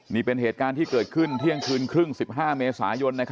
นี่เป็นเหตุการณ์ที่เกิดขึ้นพรุ่ง๑๕เมษายน